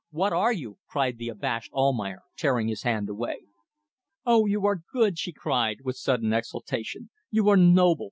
What are you ..." cried the abashed Almayer, tearing his hand away. "Oh, you are good!" she cried, with sudden exaltation, "You are noble